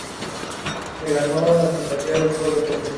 Se ganó la simpatía del pueblo serbio.